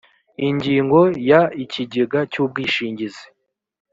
ingingo ya ikigega cy ubwishingizi